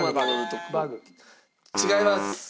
違います。